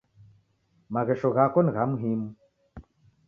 Maghesho ghako ni gha muhimu.